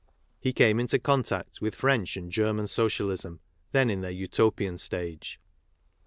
He came into contact with French and German Social ism, then in their Utopian stage.